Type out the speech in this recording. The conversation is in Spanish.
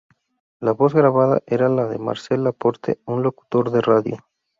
La voz grabada era la de Marcel Laporte, un locutor de radio.